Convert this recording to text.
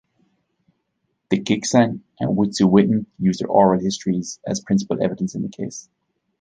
The Gitksan and Witsuwit'en used their oral histories as principal evidence in the case.